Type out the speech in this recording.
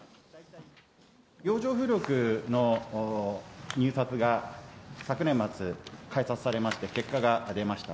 洋上風力の入札が昨年末開札されまして、結果が出ました。